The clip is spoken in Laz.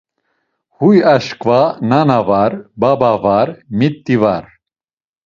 Huy aşǩva nana var, baba var, miti var!